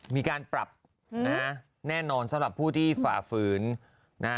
มีการปรับแน่นอนสำหรับผู้ที่ฝ่าฝืน